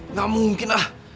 nggak mungkin lah